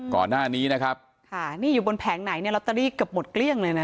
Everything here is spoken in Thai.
ก่อนหน้านี้นะครับค่ะนี่อยู่บนแผงไหนเนี่ยลอตเตอรี่เกือบหมดเกลี้ยงเลยนะ